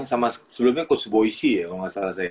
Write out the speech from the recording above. sebelumnya coach boise ya kalau gak salah saya